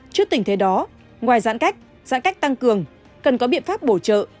trước tình thế đó ngoài giãn cách giãn cách tăng cường cần có biện pháp bổ trợ